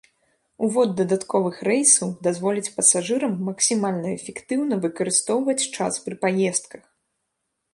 Увод дадатковых рэйсаў дазволіць пасажырам максімальна эфектыўна выкарыстоўваць час пры паездках.